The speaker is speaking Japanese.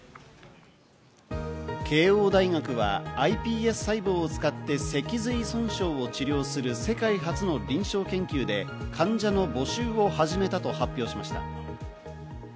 慶應大学はｉＰＳ細胞を使って脊髄損傷を治療する世界初の臨床研究で患者の募集を始めたと発表しました。